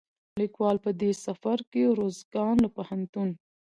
ليکوال په دې سفر کې روزګان له پوهنتون،